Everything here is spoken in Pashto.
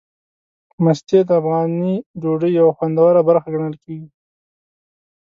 مستې د افغاني ډوډۍ یوه خوندوره برخه ګڼل کېږي.